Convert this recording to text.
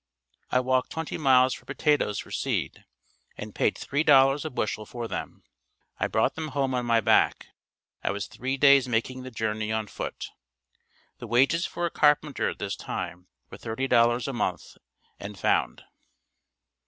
I walked twenty miles for potatoes for seed and Paid $3.00 a bushel for them. I brought them home on my back. I was three days making the journey on foot. The wages for a carpenter at this time were $30.00 a month and found.